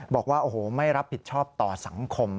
บอกว่าโอ้โหไม่รับผิดชอบต่อสังคม